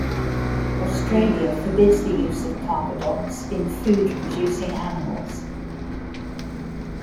Australia forbids the use of carbadox in food producing animals.